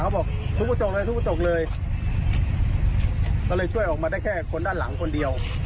เขาบอกทุบกระจกเลยทุบกระจกเลยก็เลยช่วยออกมาได้แค่คนด้านหลังคนเดียว